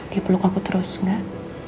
dia peluk aku terus enggak